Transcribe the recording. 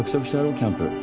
キャンプ。